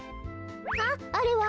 あっあれは？